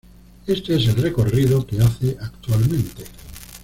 Este es el recorrido que hace actualmente.